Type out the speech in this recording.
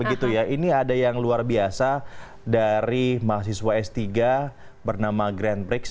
ini ada yang luar biasa dari mahasiswa s tiga bernama grand bricks